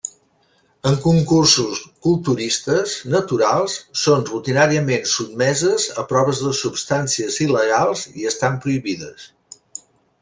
En concursos culturistes naturals són rutinàriament sotmeses a proves de substàncies il·legals i estan prohibides.